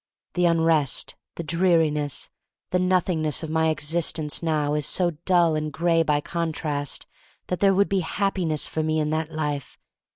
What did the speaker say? The unrest, the dreariness, the Nothingness of my existence now is so dull and gray by contrast that there would be Happiness for me in that life.